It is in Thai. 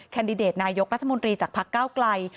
แดดิเดตนายกรัฐมนตรีจากพักเก้าไกล